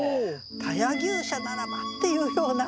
「田谷牛舎ならば」っていうような。